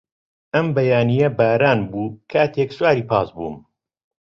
ئەم بەیانییە باران بوو کاتێک سواری پاس بووم.